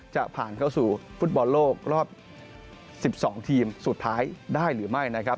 จะผ่านเข้าสู่ฟุตบอลโลกรอบ๑๒ทีมสุดท้ายได้หรือไม่นะครับ